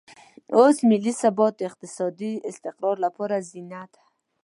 اوس ملي ثبات د اقتصادي استقرار لپاره زینه ده.